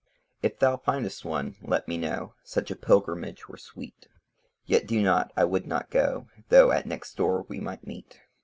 If thou find'st one let me know; Such a pilgrimage were sweet. Yet do not; I would not go, Though at next door we might meet.